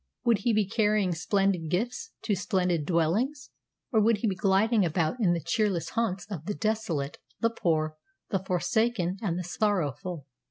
Would he be carrying splendid gifts to splendid dwellings, or would he be gliding about in the cheerless haunts of the desolate, the poor, the forsaken, and the sorrowful?"